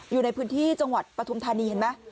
อยู่ในพื้นที่จังหวัดปฐุมธานีเห็นไหม